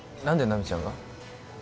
何で奈未ちゃんが？